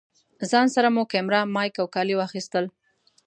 ځان سره مو کېمره، مايک او کالي واخيستل.